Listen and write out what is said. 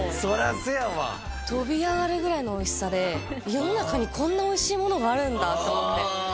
そうやわ飛び上がるぐらいのおいしさで世の中にこんなおいしいものがあるんだと思ってああ！